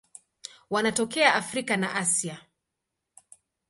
Wanatokea Afrika na Asia.